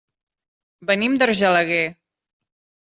Venim d'Argelaguer.